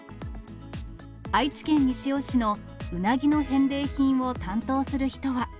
愛知県西尾市のうなぎの返礼品を担当する人は。